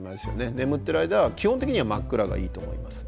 眠ってる間は基本的には真っ暗がいいと思います。